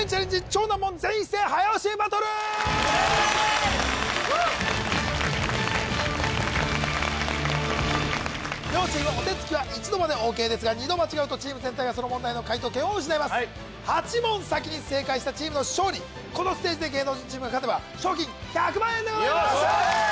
超難問全員一斉早押しバトル両チームお手付きは１度までＯＫですが２度間違うとチーム全体がその問題の解答権を失います８問先に正解したチームの勝利このステージで芸能人チームが勝てば賞金１００万円でございます！